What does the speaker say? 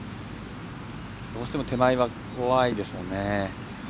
どうしても手前は怖いですね。